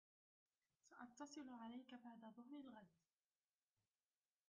سأتصل عليك بعد ظهر الغد.